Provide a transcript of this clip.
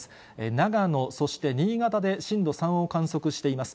長野、そして新潟で震度３を観測しています。